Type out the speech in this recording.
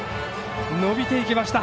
伸びていきました。